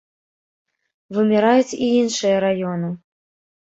Выміраюць і іншыя раёны.